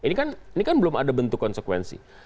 ini kan belum ada bentuk konsekuensi